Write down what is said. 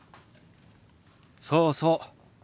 そうそう。